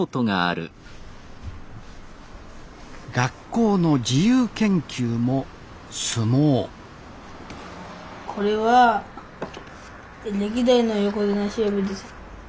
学校の自由研究も相撲これは歴代の横綱調べです。